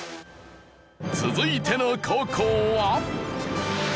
続いての高校は。